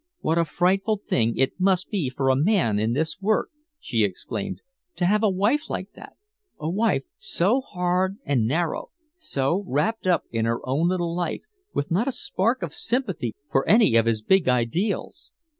"What a frightful thing it must be for a man in this work," she exclaimed, "to have a wife like that! A woman so hard and narrow, so wrapped up in her own little life, with not a spark of sympathy for any of his big ideals!"